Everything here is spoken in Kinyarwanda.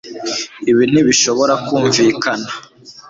Ibi ntibishobora kumvikana